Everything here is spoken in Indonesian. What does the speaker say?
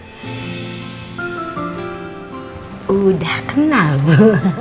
sudah kenal bu